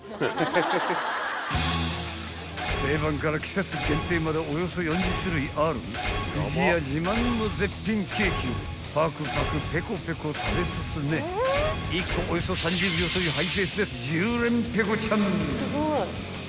［定番から季節限定までおよそ４０種類ある不二家自慢の絶品ケーキをパクパクペコペコ食べ進め１個およそ３０秒というハイペースで］